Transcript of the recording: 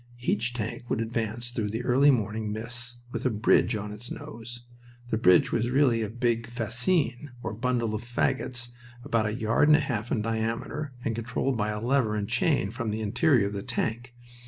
Each tank would advance through the early morning mists with a bridge on its nose. The bridge was really a big "fascine," or bundle of fagots about a yard and a half in diameter, and controlled by a lever and chain from the interior of the tank.